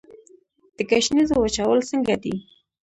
د ګشنیزو وچول څنګه دي؟